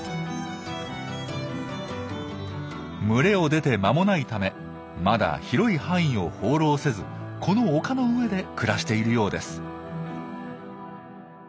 群れを出て間もないためまだ広い範囲を放浪せずこの丘の上で暮らしているようです。